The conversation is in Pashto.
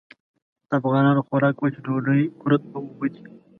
د افغانانو خوراک وچه ډوډۍ، کُرت او اوبه دي.